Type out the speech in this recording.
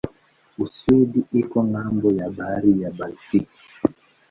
Uswidi iko ng'ambo ya bahari ya Baltiki.